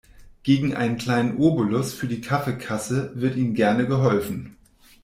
Gegen einen kleinen Obolus für die Kaffeekasse wird Ihnen gerne geholfen.